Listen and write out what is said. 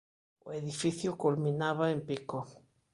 O edificio culminaba en pico.